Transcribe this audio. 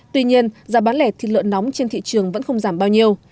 tuy nhiên giá bán lẻ thịt lợn nóng trên thị trường vẫn không giảm bao nhiêu